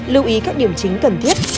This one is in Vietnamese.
lưu ý các điểm chính cần thiết